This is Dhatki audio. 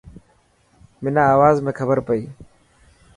منان آواز ۾ کبر پئي.